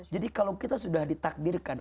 jadi kalau kita sudah ditakdirkan